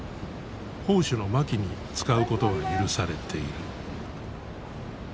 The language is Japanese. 砲手の槇に使うことが許されている。